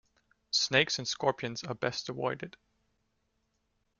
Snakes and scorpions are best avoided.